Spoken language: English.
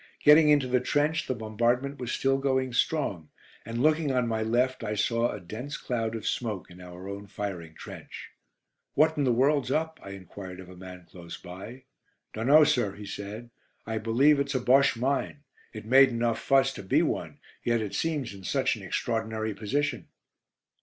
Getting into the trench, the bombardment was still going strong, and looking on my left I saw a dense cloud of smoke in our own firing trench. "What in the world's up?" I enquired of a man close by. "Dunno, sir," he said. "I believe it's a Bosche mine. It made enough fuss to be one, yet it seems in such an extraordinary position."